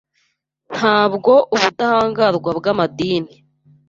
Ntabwo ubudahangarwa bwamadini